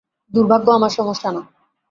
দুর্ভাগ্য আমার সমস্যা না।